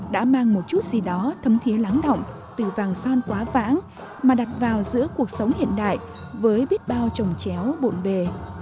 đã mang một chút gì đó thấm thiế láng động từ vàng mà đặt vào giữa cuộc sống hiện đại với biết bao trồng chéo bề